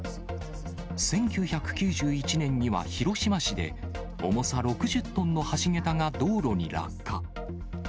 １９９１年には広島市で、重さ６０トンの橋桁が道路に落下。